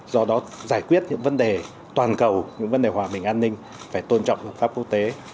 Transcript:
do đó giải quyết những vấn đề toàn cầu những vấn đề hòa bình an ninh phải tôn trọng luật pháp quốc tế